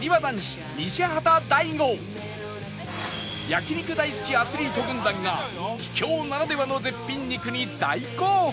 焼肉大好きアスリート軍団が秘境ならではの絶品肉に大興奮！